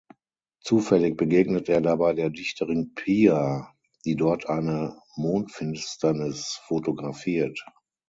Zufällig begegnet er dabei der Dichterin Pia, die dort eine Mondfinsternis fotografiert.